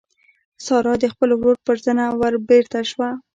سارا د خپل ورور پر زنه وربېرته شوه.